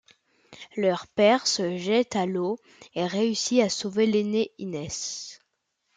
Leur père se jette à l’eau et réussit à sauver l’aînée Inès.